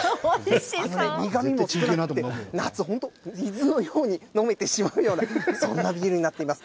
あのね、苦みも少なくって、夏、本当、水のように飲めてしまうような、そんなビールになっています。